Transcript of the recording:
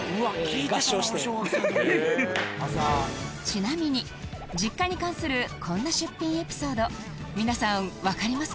ちなみに実家に関するこんな出品エピソード皆さんわかりますか？